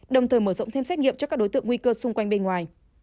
đồng thời mở rộng thêm xét nghiệm cho các đối tượng nguy cơ xung quanh bên ngoài